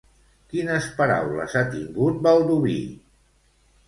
Quines paraules ha tingut Baldoví?